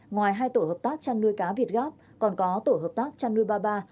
ngoài hai tổ hợp tác chăn nuôi cá việt gáp còn có tổ hợp tác chăn nuôi ba ba